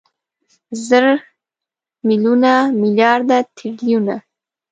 زره، ميليونه، ميليارده، تريليونه